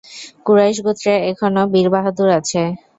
কুরাইশ গোত্রে এখনও বীর-বাহাদুর আছে।